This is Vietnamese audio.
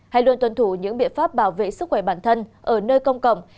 hay luôn tuân thủ những biện pháp bảo vệ sức khỏe bản thân ở nơi công cộng